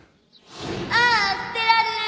ああ捨てられる